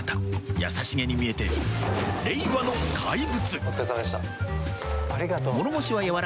優しげに見えて令和の怪物。